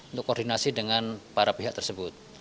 untuk koordinasi dengan para pihak tersebut